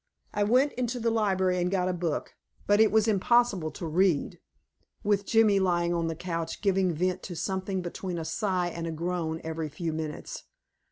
I went into the library and got a book, but it was impossible to read, with Jimmy lying on the couch giving vent to something between a sigh and a groan every few minutes.